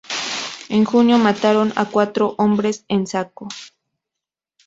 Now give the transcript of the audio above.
En junio, mataron a cuatro hombres en Saco.